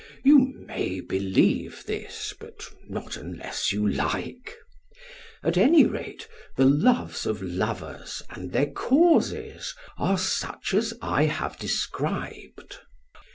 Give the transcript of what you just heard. You may believe this, but not unless you like. At any rate the loves of lovers and their causes are such as I have described.